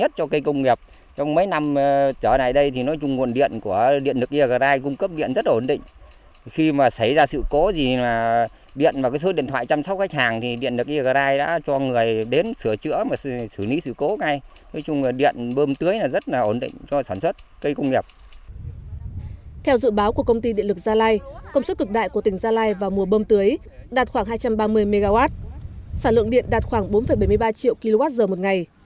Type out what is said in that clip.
theo dự báo của công ty điện lực gia lai công suất cực đại của tỉnh gia lai vào mùa bơm tưới đạt khoảng hai trăm ba mươi mw sản lượng điện đạt khoảng bốn bảy mươi ba triệu kwh một ngày